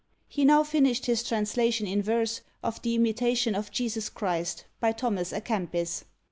He now finished his translation in verse, of the "Imitation of Jesus Christ," by Thomas à Kempis.